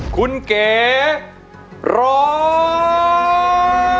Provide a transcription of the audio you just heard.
คุณเก๋ร้อง